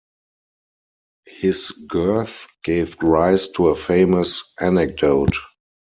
His girth gave rise to a famous anecdote.